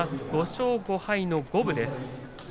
５勝５敗の五分です。